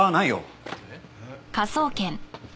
えっ？